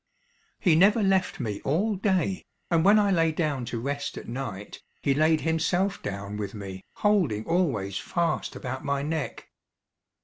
He never left me all day, and when I lay down to rest at night, he laid himself down with me, holding always fast about my neck.